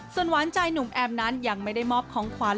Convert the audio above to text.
ส่วนหวานใจหนุ่มแอมนั้นยังไม่ได้มอบของขวัญ